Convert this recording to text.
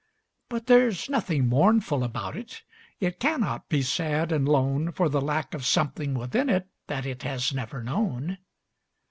But there's nothing mournful about it; it cannot be sad and lone For the lack of something within it that it has never known.